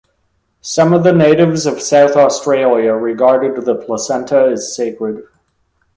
Some of the natives of South Australia regarded the placenta as sacred.